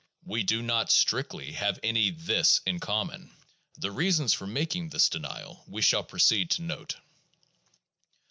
We do not, strictly, have any "this" in common. The reasons for making this denial we shall proceed to note.